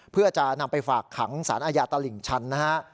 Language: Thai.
เพื่อจะนำไปฝากขังสารอาญาตลิ่งชันนะฮะ